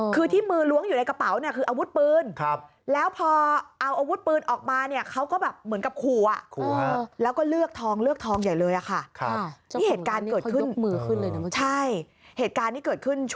คือที่มือล้วงอยู่ในกระเป๋าเนี้ยคืออาวุธปืนครับแล้วพอเอาอาวุธปืนออกมาเนี้ยเขาก็แบบเหมือนกับขูอ่ะขูอ่ะแล้วก็เลือกทองเลือกทองใหญ่เลยอะค่ะครับนี่เหตุการณ์เกิดขึ้น